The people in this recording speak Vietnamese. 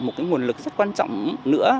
một cái nguồn lực rất quan trọng nữa